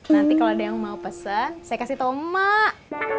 nanti kalo ada yang mau pesen saya kasih tau mak